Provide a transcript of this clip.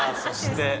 そして。